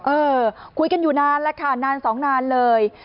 เออคุยกันอยู่นานแล้วค่ะนานสองนานเลย